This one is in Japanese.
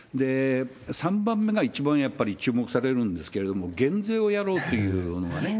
３番目が一番やっぱり注目されるんですけれども、減税をやろうというのがね。